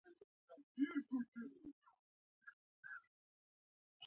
د سمارټ ټکنالوژۍ د کارونې له برکت د سوداګرۍ پروسې چټکې شوې.